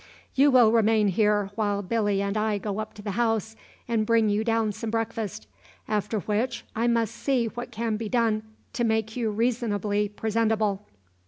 You will remain here while Billy and I go up to the house and bring you down some breakfast; after which I must see what can be done to make you reasonably presentable."